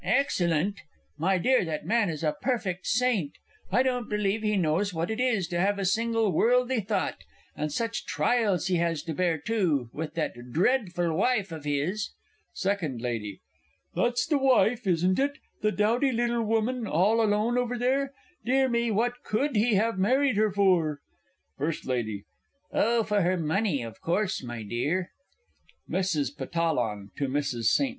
Excellent! My dear, that man is a perfect Saint! I don't believe he knows what it is to have a single worldly thought! And such trials as he has to bear, too! With that dreadful wife of his! SECOND LADY. That's the wife, isn't it? the dowdy little woman, all alone, over there? Dear me, what could he have married her for? FIRST LADY. Oh, for her money of course, my dear! MRS. PATTALLON (to MRS. ST.